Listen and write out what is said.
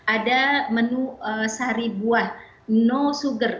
ada menu sari buah no sugar